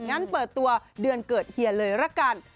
งั้นเปิดตัวเดือนเกิดเฮียเลยละกัน